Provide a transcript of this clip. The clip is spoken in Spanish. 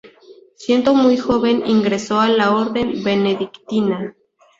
Siendo muy joven, ingresó a la orden benedictina.